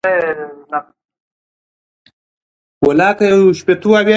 اداره د عامه چارو د سم مدیریت هڅه کوي.